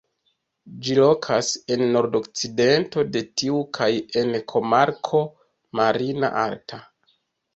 Ĝi lokas en nordokcidento de tiu kaj en komarko "Marina Alta".